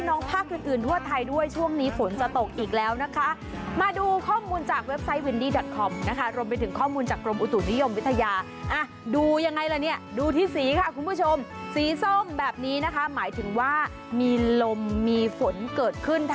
ภาคอื่นอื่นทั่วไทยด้วยช่วงนี้ฝนจะตกอีกแล้วนะคะมาดูข้อมูลจากเว็บไซต์วินดี้ดอทคอมนะคะรวมไปถึงข้อมูลจากกรมอุตุนิยมวิทยาอ่ะดูยังไงล่ะเนี่ยดูที่สีค่ะคุณผู้ชมสีส้มแบบนี้นะคะหมายถึงว่ามีลมมีฝนเกิดขึ้น